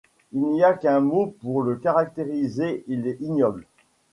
Il n’y a qu’un mot pour le caractériser : il est ignoble.